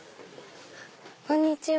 こんにちは。